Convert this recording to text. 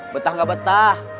betah nggak betah